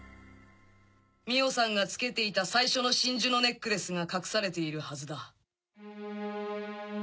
美緒さんが着けていた最初の真珠のネックレスが隠されているはずだ。